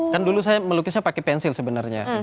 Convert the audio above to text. kan dulu saya melukisnya pakai pensil sebenarnya